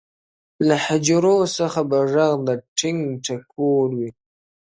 له حجرو څخه به ږغ د ټنګ ټکور وي،